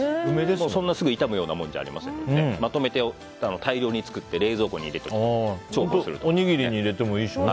そんなすぐ痛むようなものじゃないのでまとめて大量に作って冷蔵庫に入れておくと重宝します。